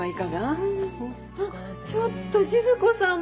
あっちょっと静子さんまで。